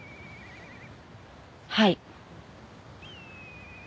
はい。